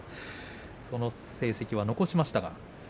その成績は残しました。